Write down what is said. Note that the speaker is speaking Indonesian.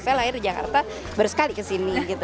jadi jakarta baru sekali ke sini